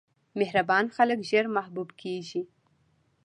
مهربان خلک ژر محبوب کېږي.